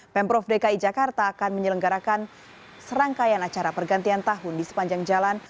pemprov dki jakarta akan menyelenggarakan serangkaian acara pergantian tahun di sepanjang jalan